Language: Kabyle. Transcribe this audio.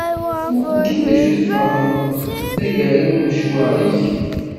Muqel kan d acu tferneḍ d tagara i umecwar-ik.